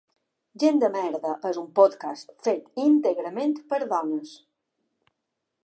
Gent de merda és un podcast fet íntegrament per dones.